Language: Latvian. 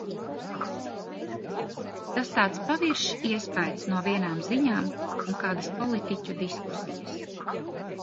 Tas tāds paviršs iespaids no vienām ziņām un kādas politiķu diskusijas.